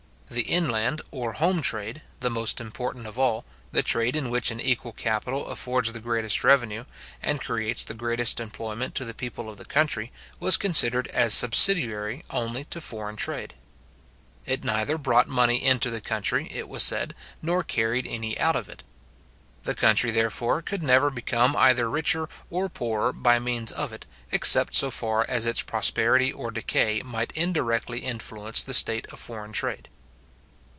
The inland or home trade, the most important of all, the trade in which an equal capital affords the greatest revenue, and creates the greatest employment to the people of the country, was considered as subsidiary only to foreign trade. It neither brought money into the country, it was said, nor carried any out of it. The country, therefore, could never become either richer or poorer by means of it, except so far as its prosperity or decay might indirectly influence the state of foreign trade.